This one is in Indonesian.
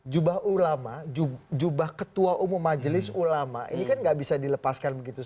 jubah ulama jubah ketua umum majelis ulama ini kan nggak bisa dilepaskan begitu saja